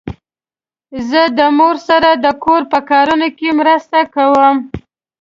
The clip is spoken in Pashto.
زه د مور سره د کور په کارونو کې مرسته کوم.